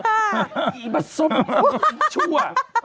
ไอ้ประสบชั่ว